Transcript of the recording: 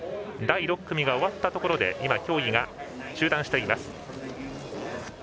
第６組が終わったところで今、競技が中断しています。